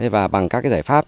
và bằng các giải pháp